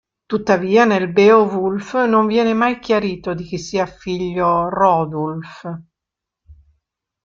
Tuttavia, nel "Beowulf" non viene mai chiarito di chi sia figlio Hroðulf.